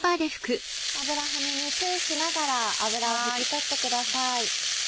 油跳ねに注意しながら油を拭き取ってください。